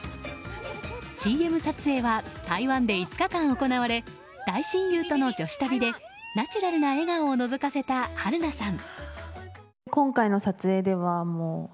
ＣＭ撮影は台湾で５日間行われ大親友との女子旅でナチュラルな笑顔をのぞかせた春奈さん。